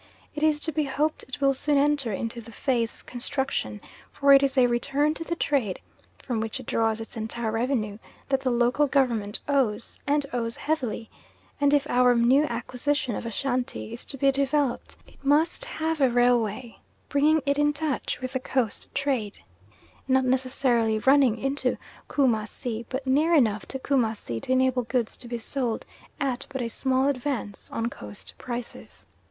It is to be hoped it will soon enter into the phase of construction, for it is a return to the trade (from which it draws its entire revenue) that the local government owes, and owes heavily; and if our new acquisition of Ashantee is to be developed, it must have a railway bringing it in touch with the Coast trade, not necessarily running into Coomassie, but near enough to Coomassie to enable goods to be sold there at but a small advance on Coast prices.